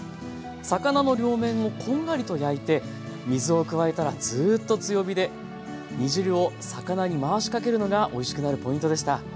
魚の両面をこんがりと焼いて水を加えたらずっと強火で煮汁を魚に回しかけるのがおいしくなるポイントでした。